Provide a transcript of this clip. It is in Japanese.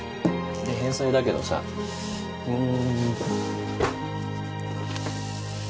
で返済だけどさうん。